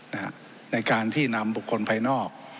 ในการที่นำบุคคลภายนอก